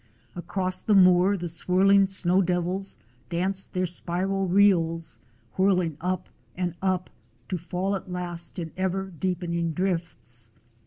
Across the moor the swirling snow devils danced their spiral reels, whirling up and up, to fall at last in ever deepening drifts.